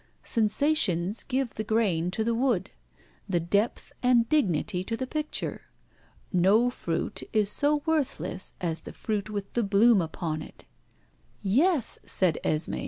Sensations give the grain to the wood, the depth and dignity to the picture. No fruit is so worthless as the fruit with the bloom upon it." "Yes," said Esmé.